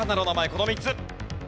この３つ。